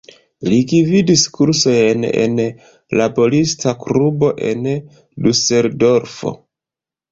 Li gvidis kursojn en laborista klubo en Duseldorfo.